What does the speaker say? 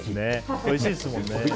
おいしいですもんね。